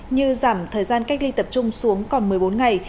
như giảm thời gian cách ly tập trung xuống còn một mươi bốn ngày